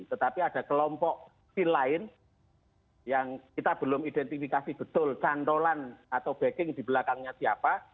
tetapi ada kelompok pil lain yang kita belum identifikasi betul cantolan atau backing di belakangnya siapa